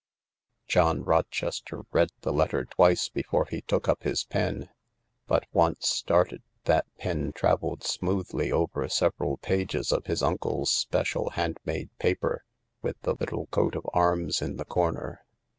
John Rochester read the letter twice before he took up his pen. But, once started, that pen travelled smoothly over several pages of his uncle's special hand made paper with the little coat of arms in the corner.